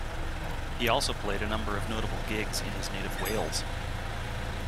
He also played a number of notable gigs in his native Wales.